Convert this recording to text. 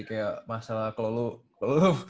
kayak masalah kalau lo